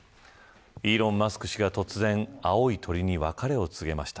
イーロン・マスク氏が突然青い鳥に別れを告げました。